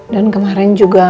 dan kemarin juga